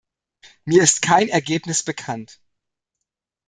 Mir ist kein Ergebnis bekannt.